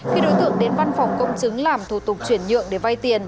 khi đối tượng đến văn phòng công chứng làm thủ tục chuyển nhượng để vay tiền